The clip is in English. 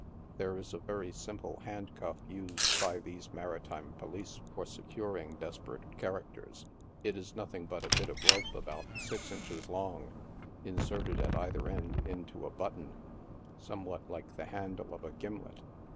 There is a very simple handcufl used by these maritime police for securing desperate characters. It is nothing but a bit of rope about six inches long, inserted, at either end, into a button, somewhat like the handle of a gimlet.